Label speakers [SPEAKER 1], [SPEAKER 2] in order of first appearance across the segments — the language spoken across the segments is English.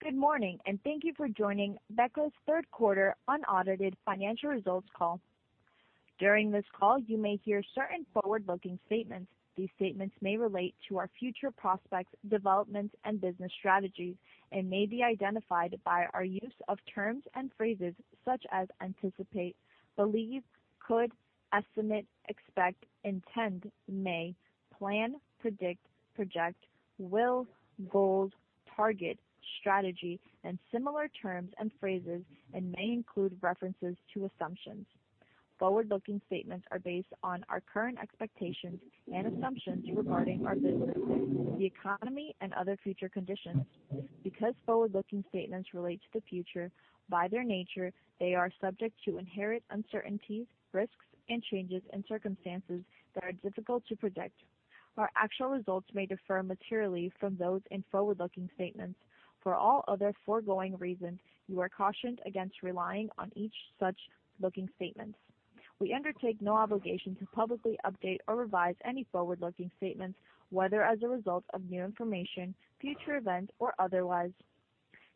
[SPEAKER 1] Good morning, and thank you for joining Becle's third quarter unaudited financial results call. During this call, you may hear certain forward-looking statements. These statements may relate to our future prospects, developments, and business strategies, and may be identified by our use of terms and phrases such as anticipate, believe, could, estimate, expect, intend, may, plan, predict, project, will, goals, target, strategy, and similar terms and phrases, and may include references to assumptions. Forward-looking statements are based on our current expectations and assumptions regarding our business, the economy, and other future conditions. Because forward-looking statements relate to the future, by their nature, they are subject to inherent uncertainties, risks, and changes in circumstances that are difficult to predict. Our actual results may differ materially from those in forward-looking statements. For all other foregoing reasons, you are cautioned against relying on such forward-looking statements. We undertake no obligation to publicly update or revise any forward-looking statements, whether as a result of new information, future events, or otherwise.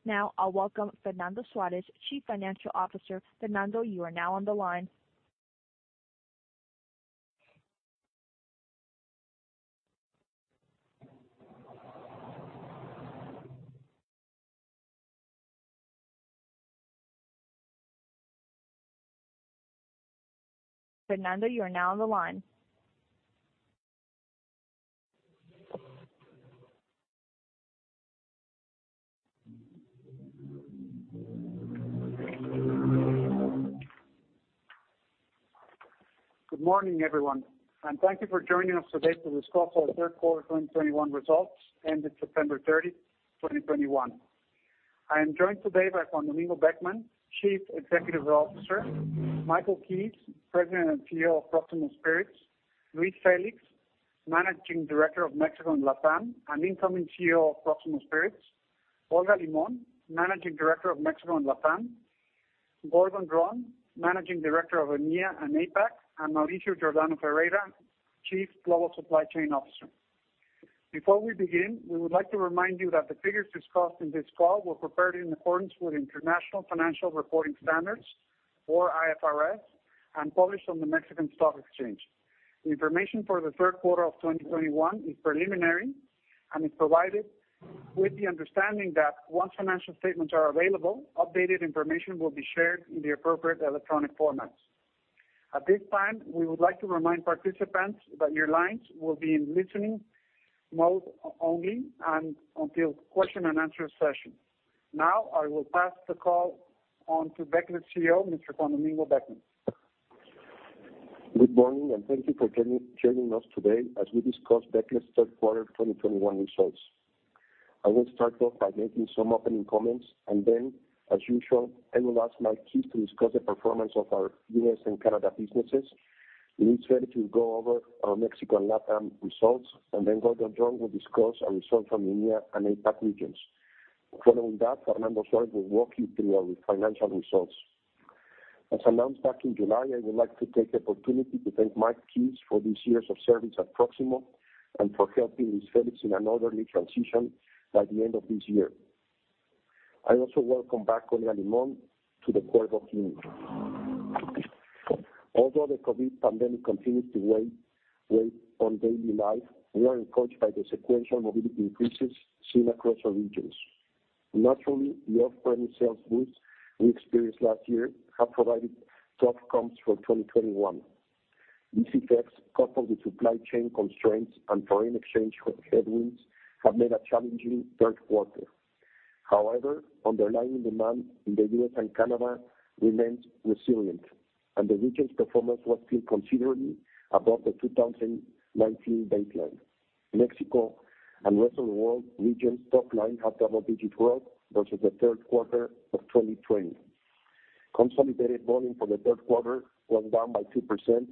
[SPEAKER 1] Now, I'll welcome Fernando Suárez, Chief Financial Officer. Fernando, you are now on the line.
[SPEAKER 2] Good morning, everyone, and thank you for joining us today to discuss our third quarter 2021 results ended September 30, 2021. I am joined today by Juan Domingo Beckmann, Chief Executive Officer, Michael Keyes, President and CEO of Proximo Spirits, Luis Félix, Managing Director of Mexico and LATAM, and incoming CEO of Proximo Spirits, Olga Limon, Managing Director of Mexico and LATAM, Gordon Dron, Managing Director of EMEA and APAC, and Mauricio Giordano Pereira, Chief Global Supply Chain Officer. Before we begin, we would like to remind you that the figures discussed in this call were prepared in accordance with International Financial Reporting Standards or IFRS and published on the Mexican Stock Exchange. The information for the third quarter of 2021 is preliminary and is provided with the understanding that once financial statements are available, updated information will be shared in the appropriate electronic formats. At this time, we would like to remind participants that your lines will be in listening mode only until question and answer session. Now, I will pass the call on to Becle's CEO, Mr. Juan Domingo Beckmann.
[SPEAKER 3] Good morning, and thank you for joining us today as we discuss Becle's third quarter 2021 results. I will start off by making some opening comments, and then, as usual, I will ask Mike Keyes to discuss the performance of our U.S. and Canada businesses. Luis Félix will go over our Mexico and LATAM results, and then Gordon Dron will discuss our results from EMEA and APAC regions. Following that, Fernando Suarez will walk you through our financial results. As announced back in July, I would like to take the opportunity to thank Mike Keyes for his years of service at Proximo and for helping Luis Félix in an orderly transition by the end of this year. I also welcome back Olga Limon to the corporate team. Although the COVID pandemic continues to weigh on daily life, we are encouraged by the sequential mobility increases seen across our regions. Naturally, the off-premise sales boost we experienced last year have provided tough comps for 2021. These effects, coupled with supply chain constraints and foreign exchange headwinds, have made a challenging third quarter. However, underlying demand in the U.S. and Canada remains resilient, and the region's performance was still considerably above the 2019 baseline. Mexico and Rest of the World regions' top line have double-digit growth versus the third quarter of 2020. Consolidated volume for the third quarter was down by 2%,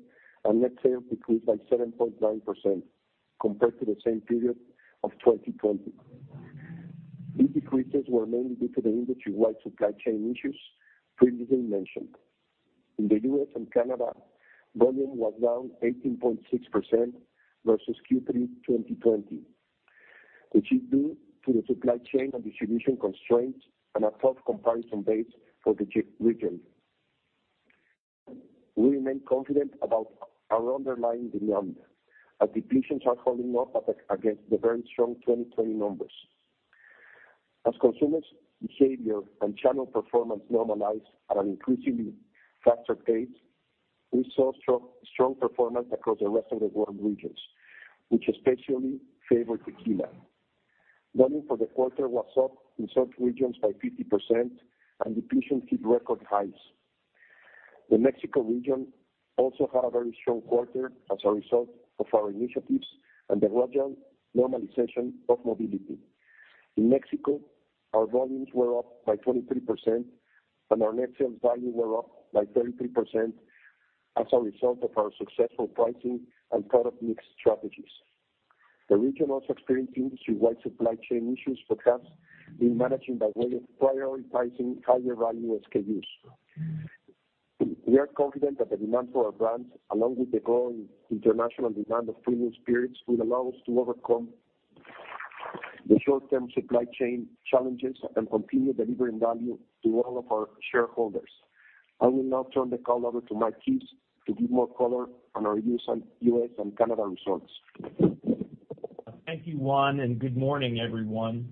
[SPEAKER 3] and net sales decreased by 7.9% compared to the same period of 2020. These decreases were mainly due to the industry-wide supply chain issues previously mentioned. In the U.S. and Canada, volume was down 18.6% versus Q3 2020, which is due to the supply chain and distribution constraints and a tough comparison base for the region. We remain confident about our underlying demand as depletions are holding up against the very strong 2020 numbers. As consumers' behavior and channel performance normalize at an increasingly faster pace, we saw strong performance across the Rest of the World regions, which especially favor tequila. Volume for the quarter was up in such regions by 50%, and depletions hit record highs. The Mexico region also had a very strong quarter as a result of our initiatives and the gradual normalization of mobility. In Mexico, our volumes were up by 23%, and our net sales value were up by 33% as a result of our successful pricing and product mix strategies. The region also experienced industry-wide supply chain issues but has been managing by way of prioritizing higher-value SKUs. We are confident that the demand for our brands, along with the growing international demand of premium spirits, will allow us to overcome the short-term supply chain challenges and continue delivering value to all of our shareholders. I will now turn the call over to Mike Keyes to give more color on our U.S. and Canada results.
[SPEAKER 4] Thank you, Juan, and good morning, everyone.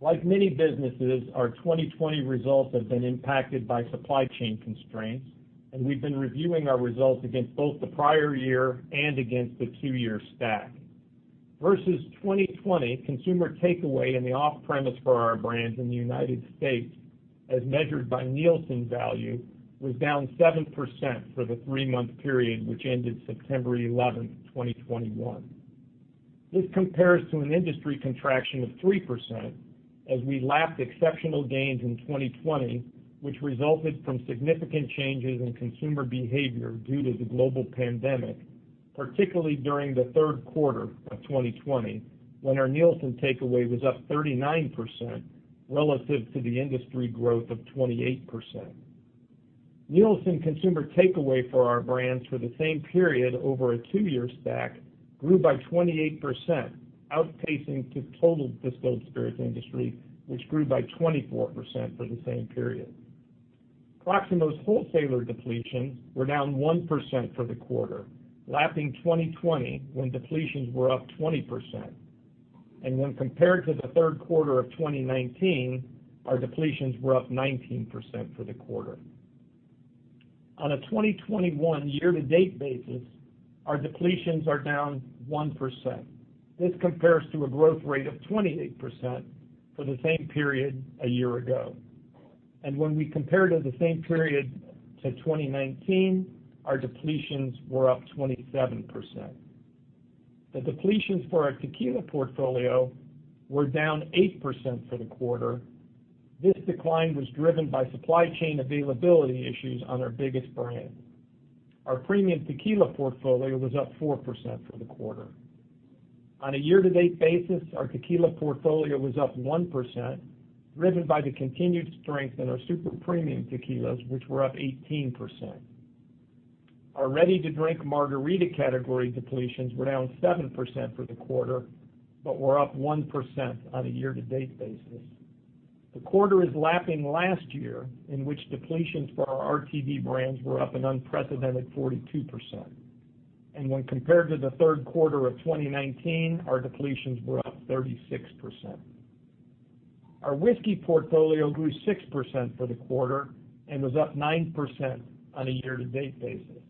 [SPEAKER 4] Like many businesses, our 2020 results have been impacted by supply chain constraints, and we've been reviewing our results against both the prior year and against the two-year stack. Versus 2020, consumer takeaway in the off-premise for our brands in the United States, as measured by Nielsen value, was down 7% for the three-month period which ended September 11, 2021. This compares to an industry contraction of 3% as we lapped exceptional gains in 2020, which resulted from significant changes in consumer behavior due to the global pandemic, particularly during the third quarter of 2020 when our Nielsen takeaway was up 39% relative to the industry growth of 28%. Nielsen consumer takeaway for our brands for the same period over a two-year stack grew by 28%, outpacing the total distilled spirits industry, which grew by 24% for the same period. Proximo's wholesaler depletions were down 1% for the quarter, lapping 2020 when depletions were up 20%. And when compared to the third quarter of 2019, our depletions were up 19% for the quarter. On a 2021 year-to-date basis, our depletions are down 1%. This compares to a growth rate of 28% for the same period a year ago. And when we compare to the same period in 2019, our depletions were up 27%. The depletions for our tequila portfolio were down 8% for the quarter. This decline was driven by supply chain availability issues on our biggest brand. Our premium tequila portfolio was up 4% for the quarter. On a year-to-date basis, our tequila portfolio was up 1%, driven by the continued strength in our super premium tequilas, which were up 18%. Our ready-to-drink margarita category depletions were down 7% for the quarter, but were up 1% on a year-to-date basis. The quarter is lapping last year, in which depletions for our RTD brands were up an unprecedented 42%. And when compared to the third quarter of 2019, our depletions were up 36%. Our whiskey portfolio grew 6% for the quarter and was up 9% on a year-to-date basis.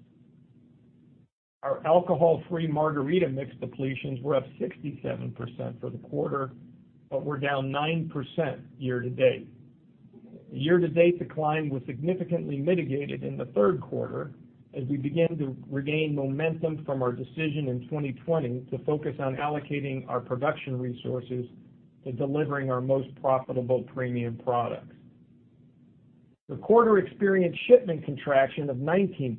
[SPEAKER 4] Our alcohol-free margarita mix depletions were up 67% for the quarter but were down 9% year-to-date. Year-to-date decline was significantly mitigated in the third quarter as we began to regain momentum from our decision in 2020 to focus on allocating our production resources to delivering our most profitable premium products. The quarter experienced shipment contraction of 19%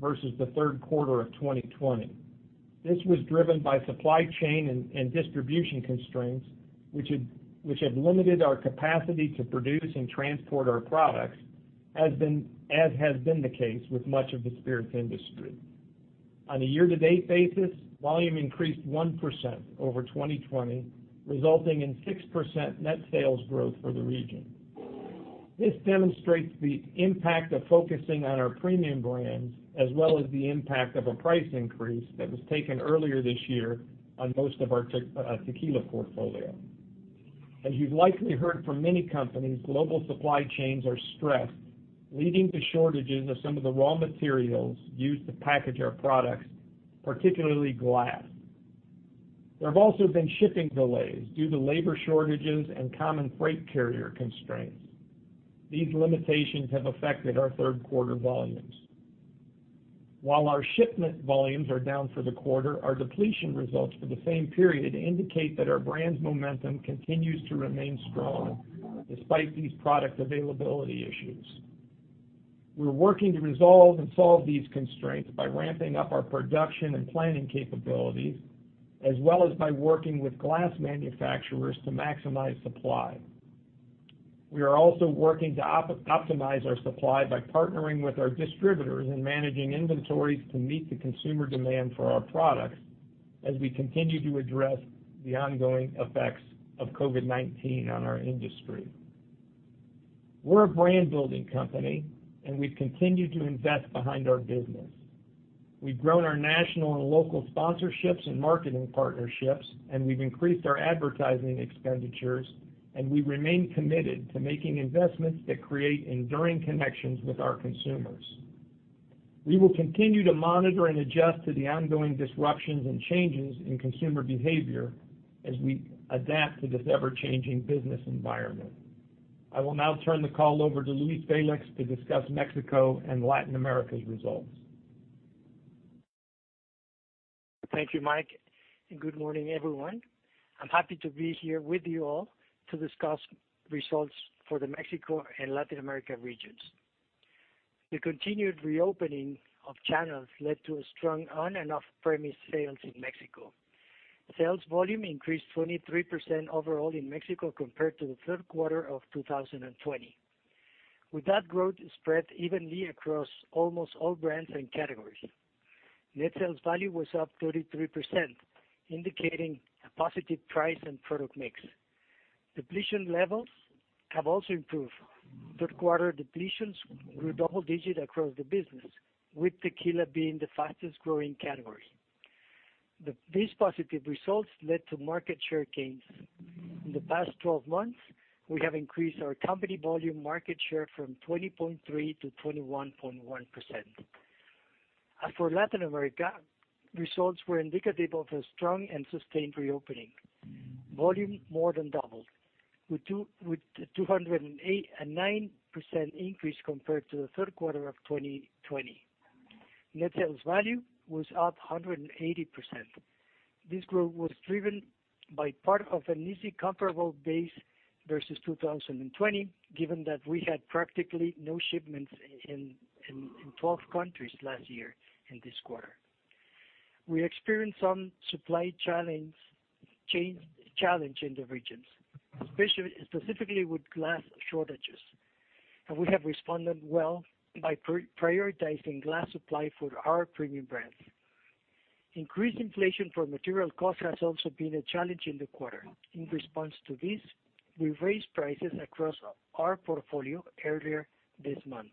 [SPEAKER 4] versus the third quarter of 2020. This was driven by supply chain and distribution constraints, which have limited our capacity to produce and transport our products, as has been the case with much of the spirits industry. On a year-to-date basis, volume increased 1% over 2020, resulting in 6% net sales growth for the region. This demonstrates the impact of focusing on our premium brands as well as the impact of a price increase that was taken earlier this year on most of our tequila portfolio. As you've likely heard from many companies, global supply chains are stressed, leading to shortages of some of the raw materials used to package our products, particularly glass. There have also been shipping delays due to labor shortages and common freight carrier constraints. These limitations have affected our third quarter volumes. While our shipment volumes are down for the quarter, our depletion results for the same period indicate that our brand's momentum continues to remain strong despite these product availability issues. We're working to resolve and solve these constraints by ramping up our production and planning capabilities, as well as by working with glass manufacturers to maximize supply. We are also working to optimize our supply by partnering with our distributors in managing inventories to meet the consumer demand for our products as we continue to address the ongoing effects of COVID-19 on our industry. We're a brand-building company, and we've continued to invest behind our business. We've grown our national and local sponsorships and marketing partnerships, and we've increased our advertising expenditures, and we remain committed to making investments that create enduring connections with our consumers. We will continue to monitor and adjust to the ongoing disruptions and changes in consumer behavior as we adapt to this ever-changing business environment. I will now turn the call over to Luis Félix to discuss Mexico and Latin America's results.
[SPEAKER 5] Thank you, Mike, and good morning, everyone. I'm happy to be here with you all to discuss results for the Mexico and Latin America regions. The continued reopening of channels led to a strong on and off-premise sales in Mexico. Sales volume increased 23% overall in Mexico compared to the third quarter of 2020, with that growth spread evenly across almost all brands and categories. Net sales value was up 33%, indicating a positive price and product mix. Depletion levels have also improved. Third quarter depletions were double-digit across the business, with tequila being the fastest-growing category. These positive results led to market share gains. In the past 12 months, we have increased our company volume market share from 20.3% to 21.1%. As for Latin America, results were indicative of a strong and sustained reopening. Volume more than doubled, with 208% and 209% increase compared to the third quarter of 2020. Net sales value was up 180%. This growth was driven by part of an easy comparable base versus 2020, given that we had practically no shipments in 12 countries last year in this quarter. We experienced some supply challenges in the regions, especially specifically with glass shortages, and we have responded well by prioritizing glass supply for our premium brands. Increased inflation for material costs has also been a challenge in the quarter. In response to this, we raised prices across our portfolio earlier this month.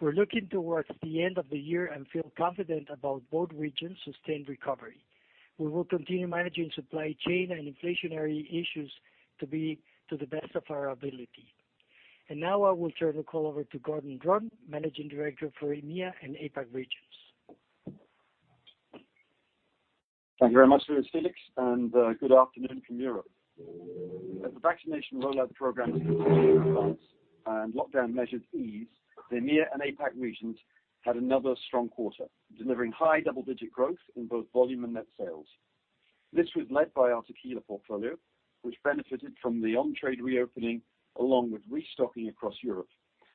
[SPEAKER 5] We're looking towards the end of the year and feel confident about both regions' sustained recovery. We will continue managing supply chain and inflationary issues to the best of our ability. Now I will turn the call over to Gordon Dron, Managing Director for EMEA and APAC regions.
[SPEAKER 6] Thank you very much, Luis Félix, and good afternoon from Europe. As the vaccination rollout programs continue to advance and lockdown measures ease, the EMEA and APAC regions had another strong quarter, delivering high double-digit growth in both volume and net sales. This was led by our tequila portfolio, which benefited from the on-trade reopening, along with restocking across Europe,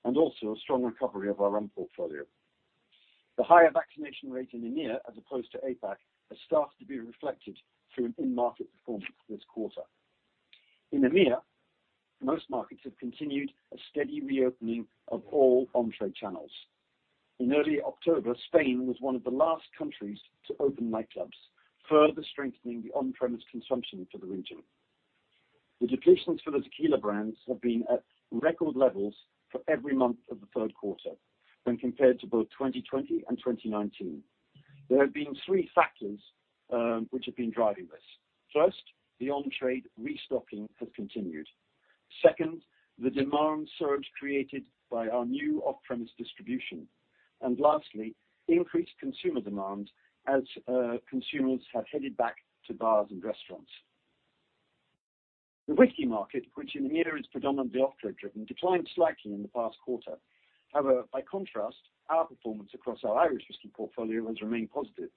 [SPEAKER 6] and also a strong recovery of our rum portfolio. The higher vaccination rate in EMEA as opposed to APAC has started to be reflected through in-market performance this quarter. In EMEA, most markets have continued a steady reopening of all on-trade channels. In early October, Spain was one of the last countries to open nightclubs, further strengthening the on-premise consumption for the region. The depletions for the tequila brands have been at record levels for every month of the third quarter when compared to both 2020 and 2019. There have been three factors, which have been driving this. First, the on-trade restocking has continued. Second, the demand surge created by our new off-premise distribution. And lastly, increased consumer demand as consumers have headed back to bars and restaurants. The whiskey market, which in EMEA is predominantly off-trade driven, declined slightly in the past quarter. However, by contrast, our performance across our Irish whiskey portfolio has remained positive,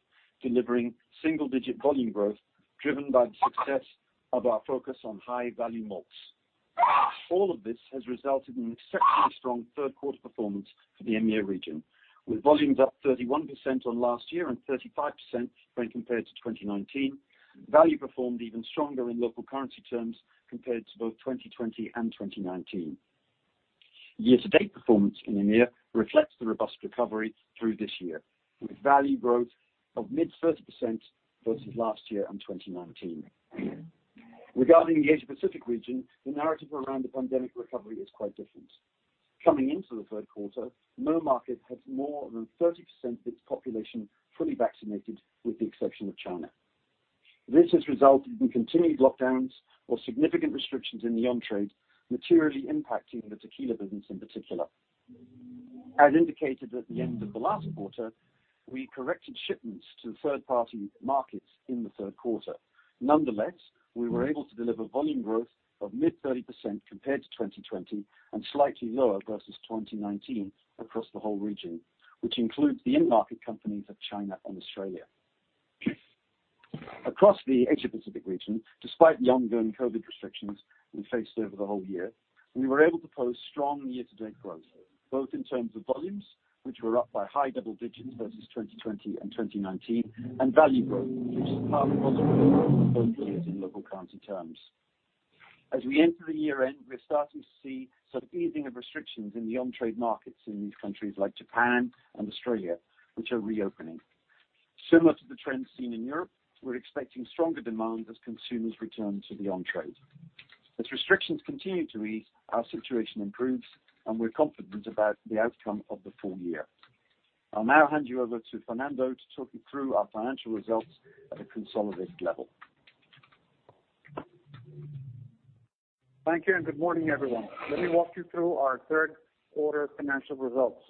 [SPEAKER 6] delivering single-digit volume growth driven by the success of our focus on high-value malts. All of this has resulted in exceptionally strong third quarter performance for the EMEA region. With volumes up 31% on last year and 35% when compared to 2019. Value performed even stronger in local currency terms compared to both 2020 and 2019. Year-to-date performance in EMEA reflects the robust recovery through this year, with value growth of mid-13% versus last year and 2019. Regarding the Asia Pacific region, the narrative around the pandemic recovery is quite different. Coming into the third quarter, no market has more than 30% of its population fully vaccinated, with the exception of China. This has resulted in continued lockdowns or significant restrictions in the on-trade, materially impacting the tequila business in particular. As indicated at the end of the last quarter, we corrected shipments to third-party markets in the third quarter. Nonetheless, we were able to deliver volume growth of mid-30% compared to 2020 and slightly lower versus 2019 across the whole region, which includes the in-market companies of China and Australia. Across the Asia Pacific region, despite the ongoing COVID restrictions we faced over the whole year, we were able to post strong year-to-date growth, both in terms of volumes, which were up by high double digits versus 2020 and 2019, and value growth, which is higher than both years in local currency terms. As we enter the year-end, we're starting to see some easing of restrictions in the on-trade markets in these countries, like Japan and Australia, which are reopening. Similar to the trends seen in Europe, we're expecting stronger demand as consumers return to the on-trade. As restrictions continue to ease, our situation improves, and we're confident about the outcome of the full year. I'll now hand you over to Fernando Suarez to talk you through our financial results at a consolidated level.
[SPEAKER 2] Thank you, and good morning, everyone. Let me walk you through our third quarter financial results.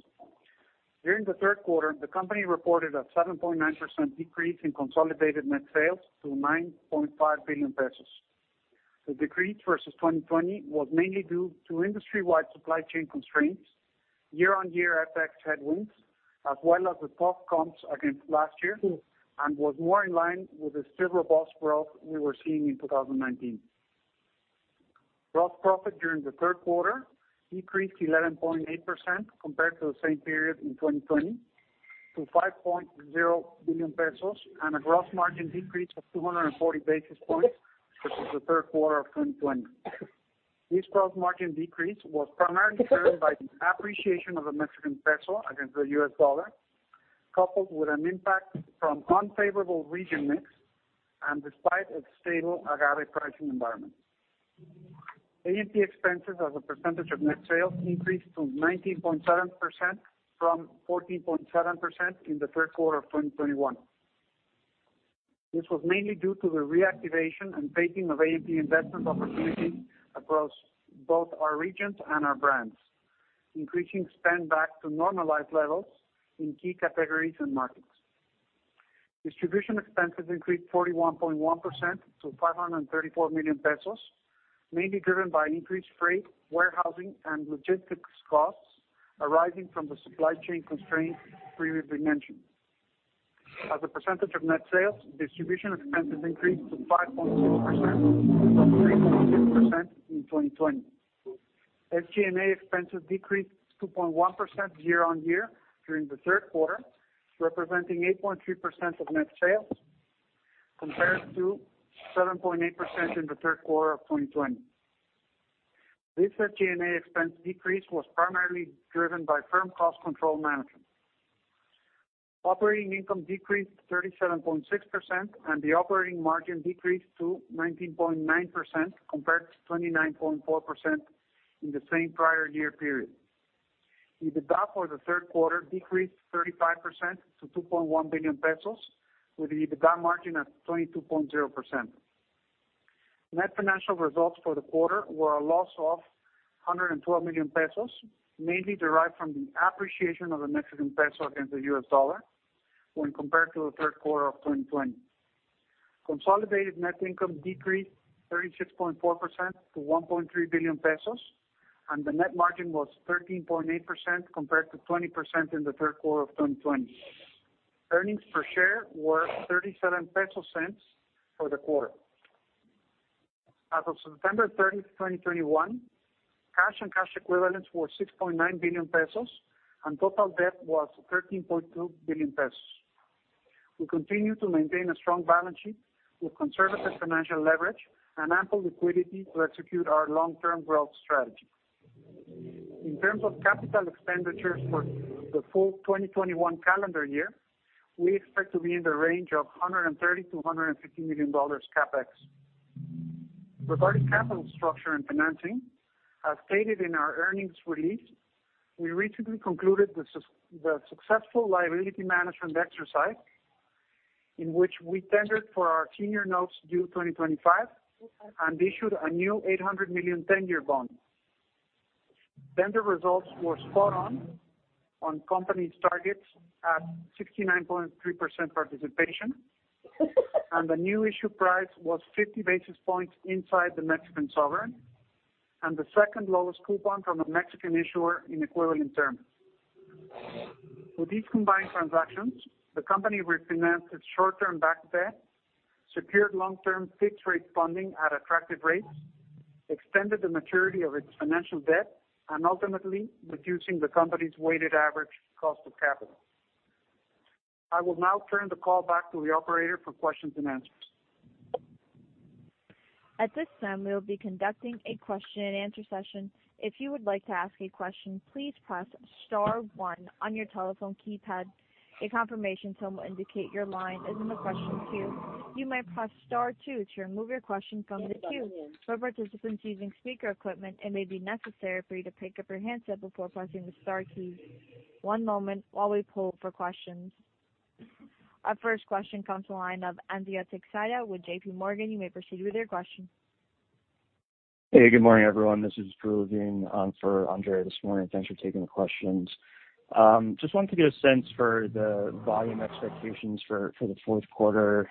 [SPEAKER 2] During the third quarter, the company reported a 7.9% decrease in consolidated net sales to 9.5 billion pesos. The decrease versus 2020 was mainly due to industry-wide supply chain constraints, year-on-year FX headwinds, as well as the tough comps against last year, and was more in line with the several quarters' growth we were seeing in 2019. Gross profit during the third quarter decreased 11.8% compared to the same period in 2020 to 5.0 billion pesos and a gross margin decrease of 240 basis points versus the third quarter of 2020. This gross margin decrease was primarily driven by the appreciation of the Mexican peso against the US dollar, coupled with an impact from unfavorable region mix and despite its stable agave pricing environment. A&P expenses as a percentage of net sales increased to 19.7% from 14.7% in the third quarter of 2021. This was mainly due to the reactivation and taking of A&P investment opportunities across both our regions and our brands, increasing spend back to normalized levels in key categories and markets. Distribution expenses increased 41.1% to 534 million pesos, mainly driven by increased freight, warehousing, and logistics costs arising from the supply chain constraints previously mentioned. As a percentage of net sales, distribution expenses increased to 5.0% from 3.6% in 2020. SG&A expenses decreased 2.1% year-over-year during the third quarter, representing 8.3% of net sales compared to 7.8% in the third quarter of 2020. This SG&A expense decrease was primarily driven by firm cost control management. Operating income decreased 37.6% and the operating margin decreased to 19.9% compared to 29.4% in the same prior year period. EBITDA for the third quarter decreased 35% to 2.1 billion pesos with the EBITDA margin at 22.0%. Net financial results for the quarter were a loss of 112 million pesos, mainly derived from the appreciation of the Mexican peso against the US dollar when compared to the third quarter of 2020. Consolidated net income decreased 36.4% to 1.3 billion pesos, and the net margin was 13.8% compared to 20% in the third quarter of 2020. Earnings per share were 0.37 for the quarter. As of September 30, 2021, cash and cash equivalents were 6.9 billion pesos and total debt was 13.2 billion pesos. We continue to maintain a strong balance sheet with conservative financial leverage and ample liquidity to execute our long-term growth strategy. In terms of capital expenditures for the full 2021 calendar year, we expect to be in the range of $130 million to $150 million CapEx. Regarding capital structure and financing, as stated in our earnings release, we recently concluded the successful liability management exercise in which we tendered for our senior notes due 2025 and issued a new $800 million 10 year bond. Tender results were spot on company's targets at 69.3% participation, and the new issue price was 50 basis points inside the Mexican sovereign and the second lowest coupon from a Mexican issuer in equivalent terms. With these combined transactions, the company refinanced its short-term backed debt, secured long-term fixed rate funding at attractive rates, extended the maturity of its financial debt, and ultimately reducing the company's weighted average cost of capital. I will now turn the call back to the operator for questions and answers.
[SPEAKER 1] At this time, we will be conducting a question and answer session. If you would like to ask a question, please press star one on your telephone keypad. A confirmation tone will indicate your line is in the question queue. You may press star two to remove your question from the queue. For participants using speaker equipment, it may be necessary for you to pick up your handset before pressing the star keys. One moment while we poll for questions. Our first question comes to the line of Andrea Teixeira with J.P. Morgan. You may proceed with your question.
[SPEAKER 7] Hey, good morning, everyone. This is Drew Levine on for Andrea this morning. Thanks for taking the questions. Just wanted to get a sense for the volume expectations for the fourth quarter.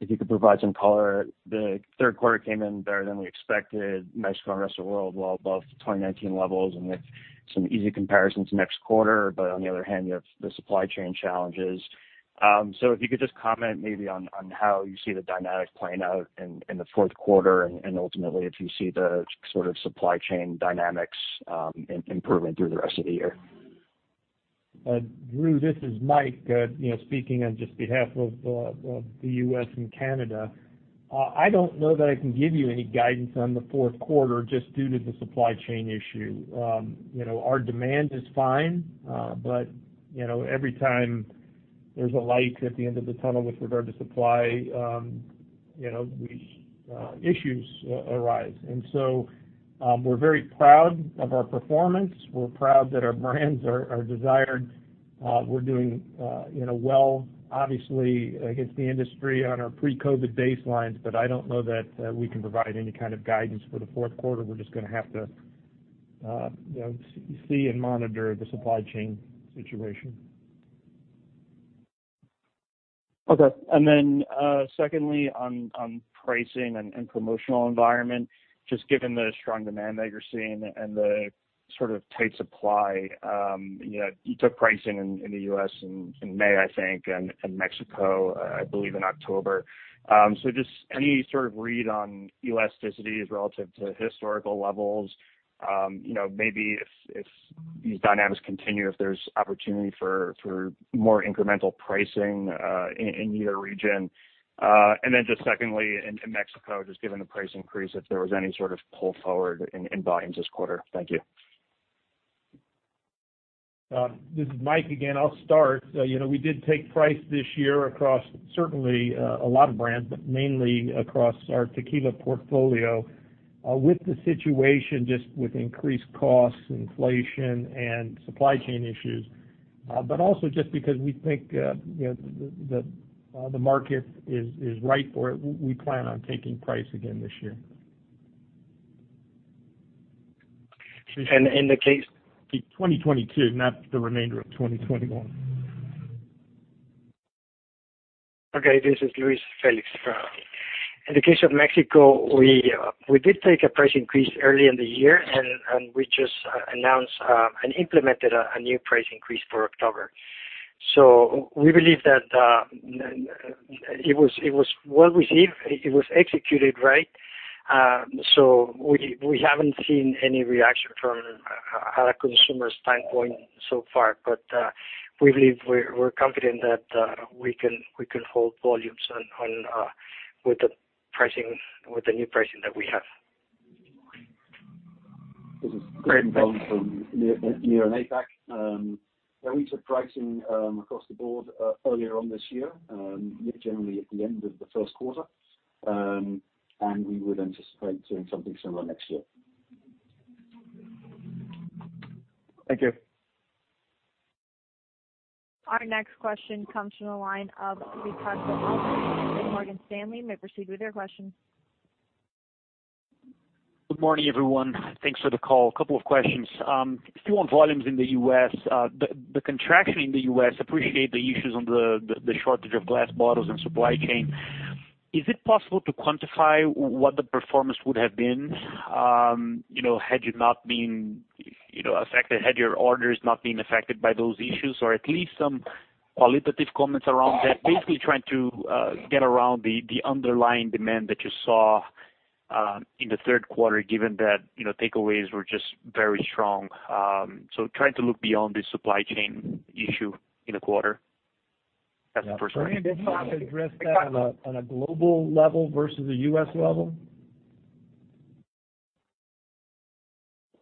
[SPEAKER 7] If you could provide some color. The third quarter came in better than we expected, Mexico and rest of world, well above 2019 levels and with some easy comparisons next quarter. On the other hand, you have the supply chain challenges. So if you could just comment maybe on how you see the dynamic playing out in the fourth quarter and ultimately if you see the sort of supply chain dynamics improving through the rest of the year.
[SPEAKER 4] Drew, this is Mike, you know, speaking on just behalf of of the U.S. and Canada. I don't know that I can give you any guidance on the fourth quarter just due to the supply chain issue. You know, our demand is fine, but you know, every time there's a light at the end of the tunnel with regard to supply, you know, these issues arise. So, we're very proud of our performance. We're proud that our brands are desired. We're doing you know, well, obviously against the industry on our pre-COVID baselines, but I don't know that we can provide any kind of guidance for the fourth quarter. We're just gonna have to you know, see and monitor the supply chain situation.
[SPEAKER 7] Okay. And then, secondly, on pricing and promotional environment, just given the strong demand that you're seeing and the sort of tight supply, you know, you took pricing in the US in May, I think, and Mexico, I believe in October. So just any sort of read on elasticity is relative to historical levels? You know, maybe if these dynamics continue, if there's opportunity for more incremental pricing in either region. Secondly, in Mexico, just given the price increase, if there was any sort of pull forward in volumes this quarter. Thank you.
[SPEAKER 4] This is Mike again. I'll start. You know, we did take price this year across certainly a lot of brands, but mainly across our tequila portfolio with the situation just with increased costs, inflation and supply chain issues. But also just because we think you know the market is right for it. We plan on taking price again this year.
[SPEAKER 7] In the case
[SPEAKER 4] In 2022, not the remainder of 2021.
[SPEAKER 5] Okay, this is Luis Félix from. In the case of Mexico, we did take a price increase early in the year, and we just announced and implemented a new price increase for October. So we believe that it was well received. It was executed right. So we haven't seen any reaction from a consumer standpoint so far. We believe we're confident that we can hold volumes on with the pricing, with the new pricing that we have.
[SPEAKER 7] Great. Thank you.
[SPEAKER 8] This is Greg Bond from NEAR and APAC. We took pricing across the board earlier this year, generally at the end of the first quarter. And we would anticipate doing something similar next year.
[SPEAKER 7] Thank you.
[SPEAKER 1] Our next question comes from the line of Ricardo Alves with Morgan Stanley. You may proceed with your question.
[SPEAKER 9] Good morning, everyone. Thanks for the call. A couple of questions. A few on volumes in the U.S. The contraction in the U.S. I appreciate the issues with the shortage of glass bottles and supply chain. Is it possible to quantify what the performance would have been, you know, had you not been, you know, affected, had your orders not been affected by those issues, or at least some qualitative comments around that? Basically trying to get around the underlying demand that you saw in the third quarter, given that, you know, takeaways were just very strong. So trying to look beyond the supply chain issue in the quarter. That's the first one.
[SPEAKER 4] Yeah. Fernando, can you address that on a global level versus a U.S. level?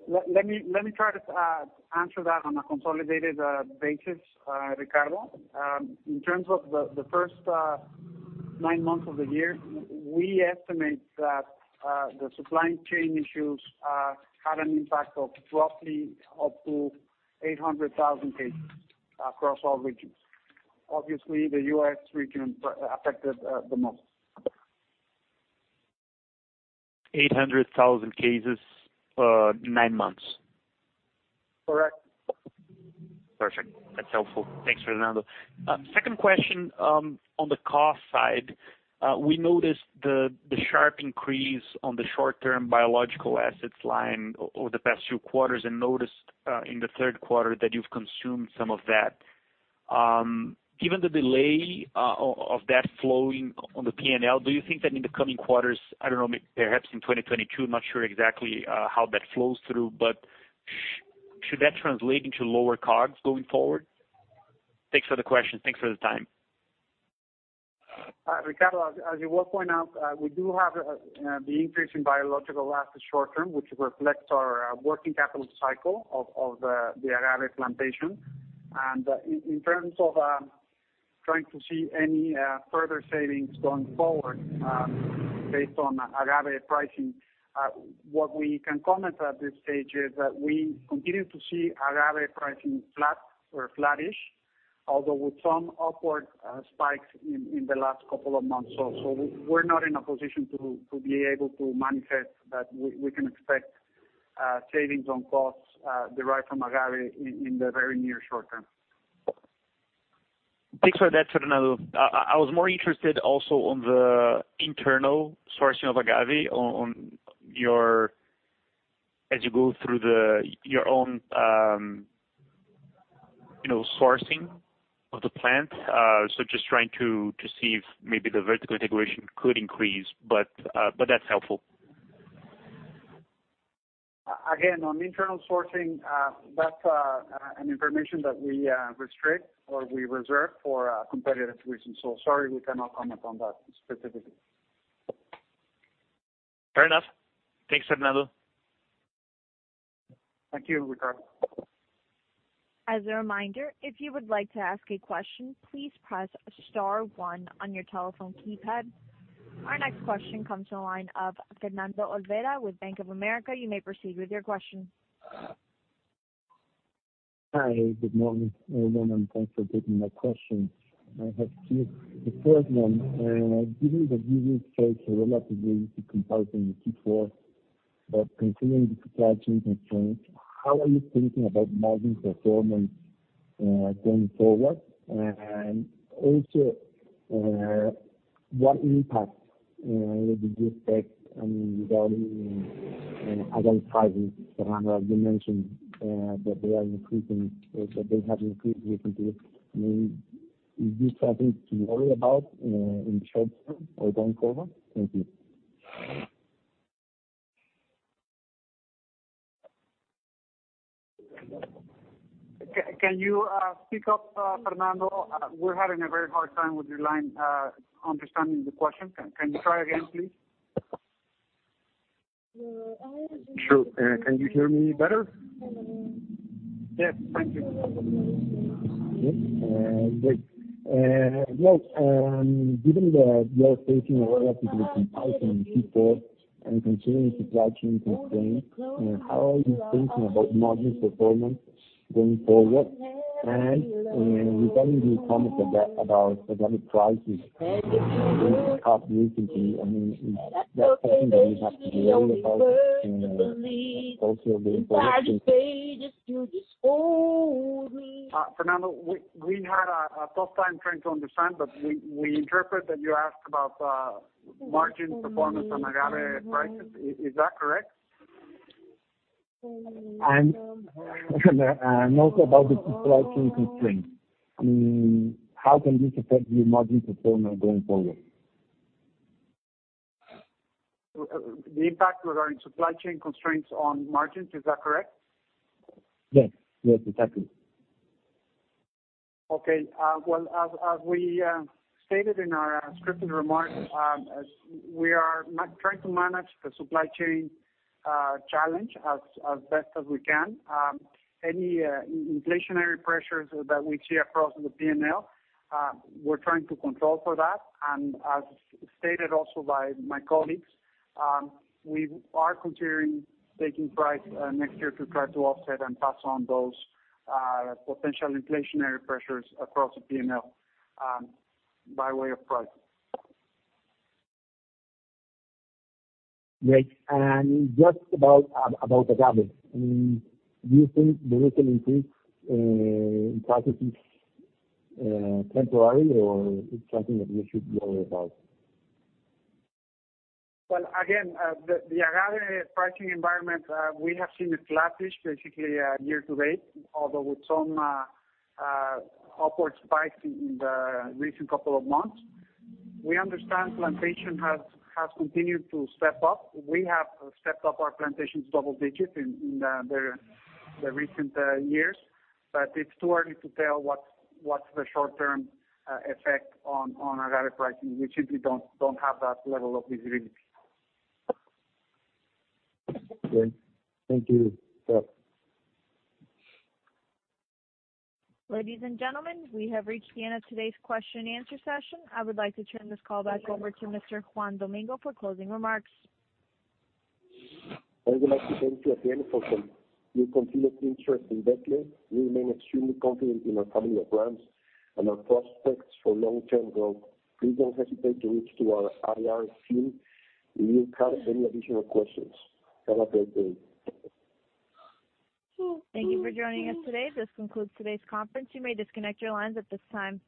[SPEAKER 2] Let me try to answer that on a consolidated basis, Ricardo. In terms of the first nine months of the year, we estimate that the supply chain issues had an impact of roughly up to 800,000 cases across all regions. Obviously, the U.S. region affected the most.
[SPEAKER 9] 800,000 cases, nine months?
[SPEAKER 2] Correct.
[SPEAKER 9] Perfect. That's helpful. Thanks, Fernando. Second question, on the cost side. We noticed the sharp increase on the short-term biological assets line over the past few quarters and noticed in the third quarter that you've consumed some of that. Given the delay of that flowing on the P&L, do you think that in the coming quarters, I don't know, perhaps in 2022, I'm not sure exactly how that flows through, but should that translate into lower costs going forward? Thanks for the question. Thanks for the time.
[SPEAKER 2] Ricardo, as you well point out, we do have the increase in biological assets short term, which reflects our working capital cycle of the agave plantation. In terms of trying to see any further savings going forward, based on agave pricing, what we can comment at this stage is that we continue to see agave pricing flat or flattish, although with some upward spikes in the last couple of months or so. We're not in a position to be able to manifest that we can expect savings on costs derived from agave in the very near short term.
[SPEAKER 9] Thanks for that, Fernando. I was more interested also in the internal sourcing of agave on your, as you go through your own, you know, sourcing of the plant. Just trying to see if maybe the vertical integration could increase. But that's helpful.
[SPEAKER 2] Again, on internal sourcing, that's an information that we restrict or we reserve for competitive reasons. Sorry, we cannot comment on that specifically.
[SPEAKER 9] Fair enough. Thanks, Fernando.
[SPEAKER 2] Thank you, Ricardo.
[SPEAKER 1] As a reminder, if you would like to ask a question, please press star one on your telephone keypad. Our next question comes from the line of Fernando Olvera with Bank of America. You may proceed with your question.
[SPEAKER 10] Hi. Good morning, everyone, and thanks for taking my questions. I have two. The first one, given that you will face a relatively easy comparison in Q4, but considering the supply chain constraints, how are you thinking about margin performance? Going forward. And also, what impact would you expect, I mean, regarding agave prices? Fernando, you mentioned that they are increasing, or that they have increased recently. I mean, is this something to worry about in short term or going forward? Thank you.
[SPEAKER 2] Can you speak up, Fernando? We're having a very hard time with your line understanding the question. Can you try again, please?
[SPEAKER 10] Sure. Can you hear me better?
[SPEAKER 2] Yes. Thank you.
[SPEAKER 10] Okay. Great. Yes. Given that you are facing a relatively compelling Q4 and continuing supply chain constraints, how are you thinking about margin performance going forward? And regarding your comments about agave prices, they increased recently. I mean, is that something that we have to worry about and also going forward?
[SPEAKER 2] Fernando, we had a tough time trying to understand, but we interpret that you asked about margin performance on agave prices. Is that correct?
[SPEAKER 10] And also about the supply chain constraints. I mean, how can this affect your margin performance going forward?
[SPEAKER 2] The impact regarding supply chain constraints on margins, is that correct?
[SPEAKER 10] Yes. Yes, exactly.
[SPEAKER 2] Okay. Well, as we stated in our scripted remarks, as we are trying to manage the supply chain challenge as best as we can. Any inflationary pressures that we see across the P&L, we're trying to control for that. As stated also by my colleagues, we are considering taking price next year to try to offset and pass on those potential inflationary pressures across the P&L, by way of price.
[SPEAKER 10] Great. And just about agave, I mean, do you think the recent increase in prices is temporary or it's something that we should worry about?
[SPEAKER 2] Well, again, the agave pricing environment, we have seen it flattish basically, year to date, although with some upward spikes in the recent couple of months. We understand planting has continued to step up. We have stepped up our plantation double digits in the recent years. It's too early to tell what's the short-term effect on agave pricing. We simply don't have that level of visibility.
[SPEAKER 10] Great. Thank you. Yep.
[SPEAKER 1] Ladies and gentlemen, we have reached the end of today's question and answer session. I would like to turn this call back over to Mr. Juan Domingo for closing remarks.
[SPEAKER 3] I would like to thank you again for your continued interest in Becle. We remain extremely confident in our family of brands and our prospects for long-term growth. Please don't hesitate to reach out to our IR team if you have any additional questions. Have a great day.
[SPEAKER 1] So thank you for joining us today. This concludes today's conference. You may disconnect your lines at this time.